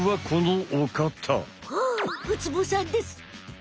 おおウツボさんです！